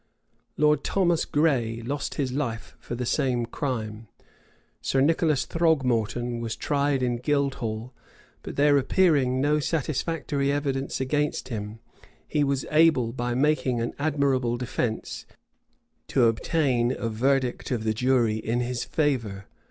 Lord Thomas Gray lost his life for the same crime. Sir Nicholas Throgmorton was tried in Guildhall; but there appearing no satisfactory evidence against him, he was able, by making an admirable defence, to obtain a verdict of the jury in his favor.